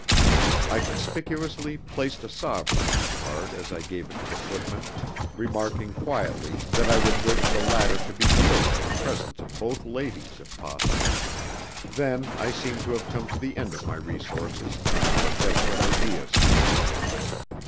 I conspicuously placed a sovereign on the card as I gave it to the footman, remarking quietly that I would wish the latter to be delivered in the presence of both ladies if possible. Then I seemed to have come to the end of my resources, until a desperate idea seized me.